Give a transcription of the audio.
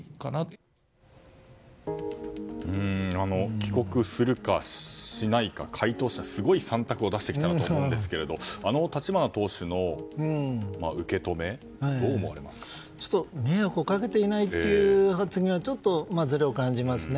帰国するか、しないか、回答者すごい３択を出してきたなと思いますがあの立花党首の受け止めを迷惑をかけていないという発言は、ずれを感じますね。